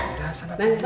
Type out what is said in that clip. udah sana pergi